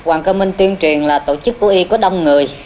hoàng cơ minh tuyên truyền là tổ chức của y có đông người